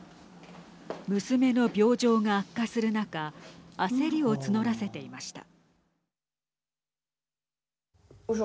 娘の病状が悪化する中焦りを募らせていました。